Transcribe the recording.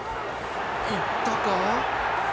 いったか？